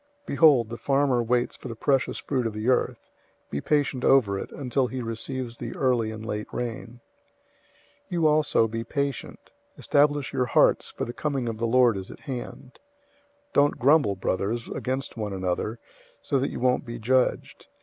Behold, the farmer waits for the precious fruit of the earth, being patient over it, until it receives the early and late rain. 005:008 You also be patient. Establish your hearts, for the coming of the Lord is at hand. 005:009 Don't grumble, brothers, against one another, so that you won't be judged.